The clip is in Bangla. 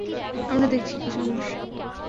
আমরা দেখছি কি সমস্যা।